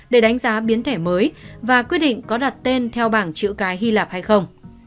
để đánh giá biến thể mới và quyết định có đặt tên theo bảng chữ cái hy lạp hay không